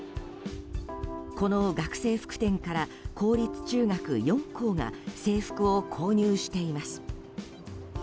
この学生服店から公立中学４校が制服を購入しています。